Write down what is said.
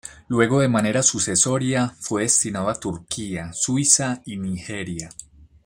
Luego de manera sucesoria, fue destinado a Turquía, Suiza y Nigeria.